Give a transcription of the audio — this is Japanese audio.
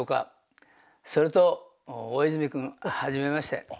それと大泉君はじめまして。